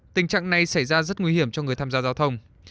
tình trạng này xảy ra rất nguy hiểm cho người tham gia giao thông